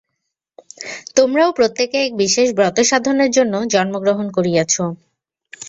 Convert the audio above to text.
তোমরাও প্রত্যেকে এক বিশেষ ব্রতসাধনের জন্য জন্মগ্রহণ করিয়াছ।